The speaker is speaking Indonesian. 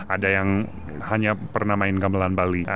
ada yang hanya pernah main gamelan bali